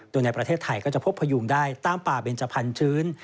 โดยในประเทศไทยก็จะพบพยูงได้ตามป่าเบนจพันธุ์